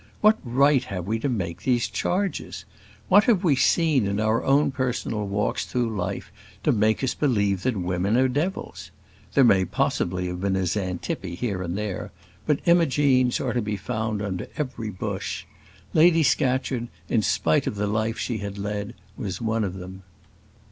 What right have we to make these charges? What have we seen in our own personal walks through life to make us believe that women are devils? There may possibly have been a Xantippe here and there, but Imogenes are to be found under every bush. Lady Scatcherd, in spite of the life she had led, was one of them.